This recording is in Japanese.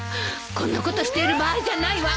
こんなことしてる場合じゃないわ。